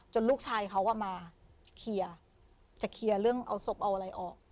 ลูกชายเขามาเคลียร์จะเคลียร์เรื่องเอาศพเอาอะไรออก